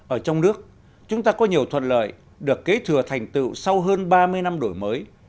ở trong nước chúng ta có nhiều thuận lợi được kế thừa thành tựu sau hơn ba mươi năm đổi mới